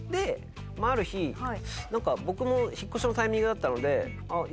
ある日僕も引っ越しのタイミングだったので。